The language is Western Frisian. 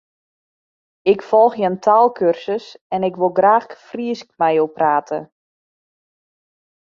Ik folgje in taalkursus en ik wol graach Frysk mei jo prate.